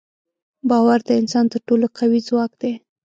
باور د انسان تر ټولو قوي ځواک دی.